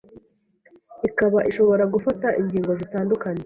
ikaba ishobora gufata ingingo zitandukanye.